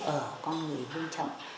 ở con người vương trọng